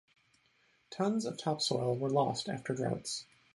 Tons of topsoil were lost after droughts.